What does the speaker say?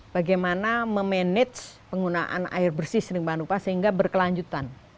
bagaimana memanage penggunaan air bersih sering berupa sehingga berkelanjutan